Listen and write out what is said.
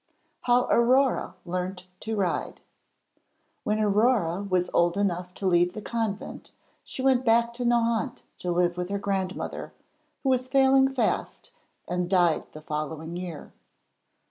HOW AURORE LEARNT TO RIDE When Aurore was old enough to leave the convent she went back to Nohant to live with her grandmother, who was failing fast and died the following year.